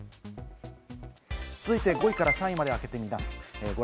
続いて５位から３位まで開けてみます。